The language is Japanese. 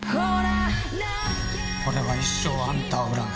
俺は一生あんたを恨む。